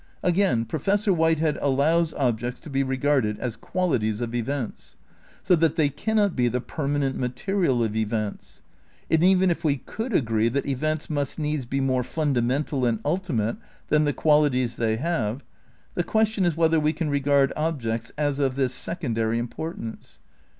Again, Professor Whitehead allows objects to be re garded as "qualities" of events. So that they cannot be the permanent material of events; and even if we could agree that events must needs be more funda mental and ultimate than the qualities they have, the question is whether we can regard objects as of this secondary importance.